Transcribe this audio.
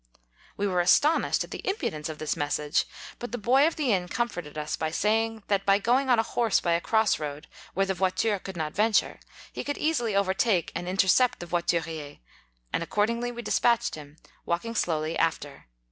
We were astonished at the impudence of this message, but the boy of the inn comforted us by saying, that by going on a horse by a cross road, where the voiture could not venture, he could easily overtake and intercept the voititrier, and accordingly we dis patched him, walking slowly after.